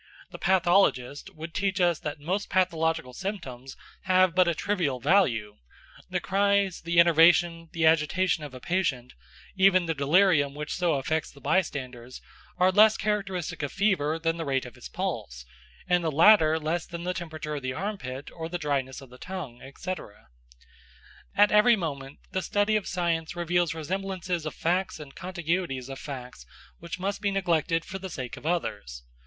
The pathologist would teach us that most pathological symptoms have but a trivial value; the cries, the enervation, the agitation of a patient, even the delirium which so affects the bystanders, are less characteristic of fever than the rate of his pulse, and the latter less than the temperature of the armpit or the dryness of the tongue, &c. At every moment the study of science reveals resemblances of facts and contiguities of facts which must be neglected for the sake of others.